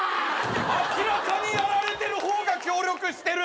明らかにやられてる方が協力してる。